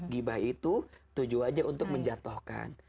gibah itu tujuannya untuk menjatuhkan